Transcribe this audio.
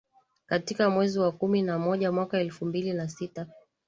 Katika mwezi wa kumi na moja mwaka elfu mbili na sita